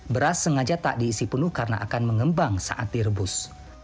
beras sengaja tak diisi penuh karena akan mengembang saat direbus